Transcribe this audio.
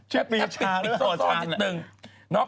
ใช่ปีชาหรือเปล่า